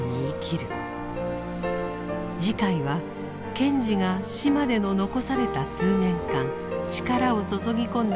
次回は賢治が死までの残された数年間力を注ぎ込んだ活動の軌跡を追います。